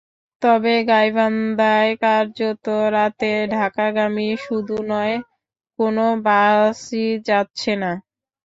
তবে গাইবান্ধায় কার্যত রাতে ঢাকাগামী শুধু নয়, কোনো বাসই যাচ্ছে না।